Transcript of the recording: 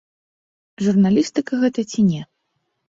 Журналістыка гэта ці не?